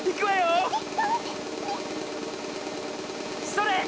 それ！